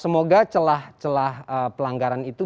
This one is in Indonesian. semoga celah celah pelanggaran itu